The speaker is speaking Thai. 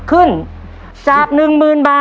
คุณฝนจากชายบรรยาย